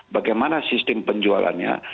bagaimana sistem penjualannya